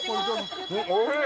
おいしい！